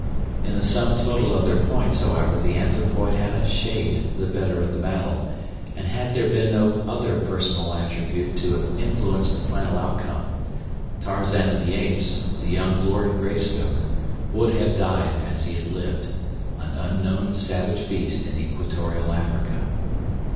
In the sum total of their points, however, the anthropoid had a shade the better of the battle, and had there been no other personal attribute to influence the final outcome, Tarzan of the Apes, the young Lord Greystoke, would have died as he had lived—an unknown savage beast in equatorial Africa.